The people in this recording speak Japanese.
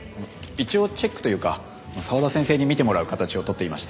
一応チェックというか澤田先生に見てもらう形をとっていまして。